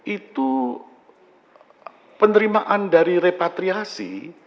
itu penerimaan dari repatriasi